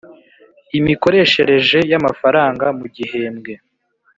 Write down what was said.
imikoreshereje y’amafaranga mu gihembwe;